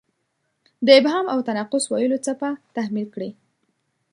د ابهام او تناقض ویلو څپه تحمیل کړې.